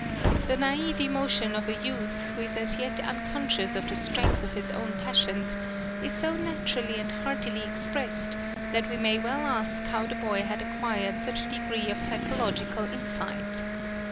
The naïve emotion of a youth, who is as yet unconscious of the strength of his own passions, is so naturally and heartily expressed, that we may well ask how the boy had acquired such a degree of psychological insight.